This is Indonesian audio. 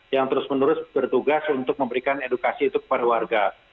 yang terus menerus bertugas untuk memberikan edukasi itu kepada warga